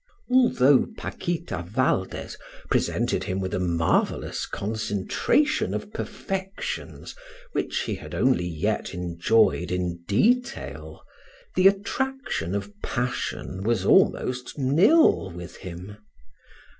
Although Paquita Valdes presented him with a marvelous concentration of perfections which he had only yet enjoyed in detail, the attraction of passion was almost nil with him.